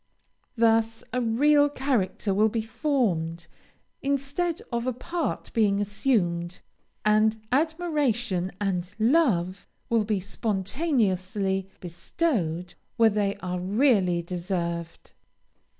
Thus a real character will be formed instead of a part being assumed, and admiration and love will be spontaneously bestowed where they are really deserved.